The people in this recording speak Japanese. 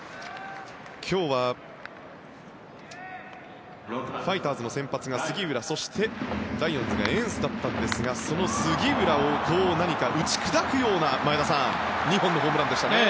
今日はファイターズの先発が杉浦そして、ライオンズがエンスだったんですがその杉浦を何か打ち砕くような前田さん２本のホームランでしたね。